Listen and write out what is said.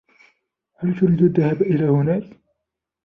هل تريد تذهب إلى هناك ؟